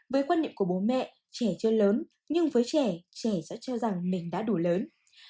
với quan niệm của bố mẹ trẻ chưa lớn nhưng với trẻ trẻ sẽ cho rằng mình đã đủ lớn